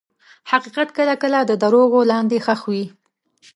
حقیقت کله کله د دروغو لاندې ښخ وي.